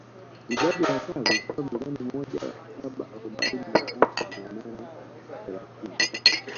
Idadi ya wakazi ilikuwa milioni moja laki saba arobaini na tatu mia nane thelathini